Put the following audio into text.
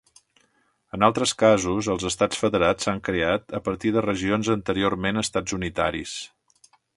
En altres casos, els estats federats s'han creat a partir de regions anteriorment estats unitaris.